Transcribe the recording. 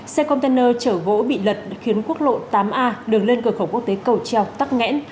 xe container chở gỗ bị lật khiến quốc lộ tám a đường lên cửa khẩu quốc tế cầu treo tắt ngẽn